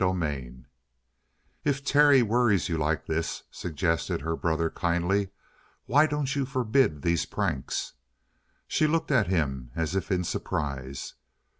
CHAPTER 3 "If Terry worries you like this," suggested her brother kindly, "why don't you forbid these pranks?" She looked at him as if in surprise.